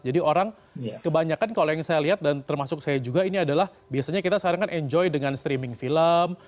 jadi orang kebanyakan kalau yang saya lihat dan termasuk saya juga ini adalah biasanya kita sekarang kan enjoy dengan streaming film